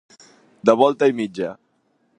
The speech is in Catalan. De volta i mitja.